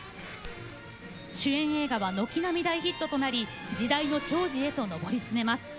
主演映画は軒並み大ヒットとなり時代のちょうじへと上り詰めます。